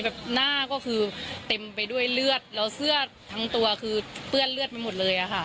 หน้าก็คือเต็มไปด้วยเลือดแล้วเสื้อทั้งตัวคือเปื้อนเลือดไปหมดเลยอะค่ะ